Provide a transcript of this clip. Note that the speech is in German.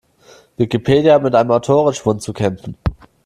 Wikipedia hat mit einem Autorenschwund zu kämpfen.